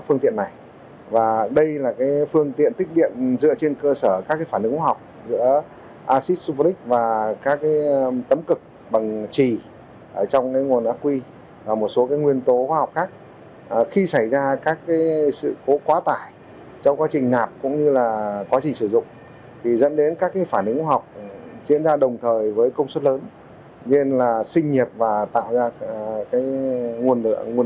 phương tiện này có nhiều vấn đề được quan tâm trong đó nguy cơ cháy nổ từ chính hệ thống điện